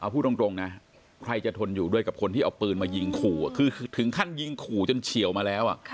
พูดตรงนะใครจะทนอยู่ด้วยกับคนที่เอาปืนมายิงขู่คือถึงขั้นยิงขู่จนเฉียวมาแล้ว